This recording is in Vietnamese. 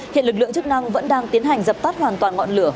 hiện lực lượng chức năng vẫn đang tiến hành dập tắt hoàn toàn ngọn lửa